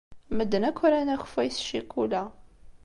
Medden akk ran akeffay s ccikula.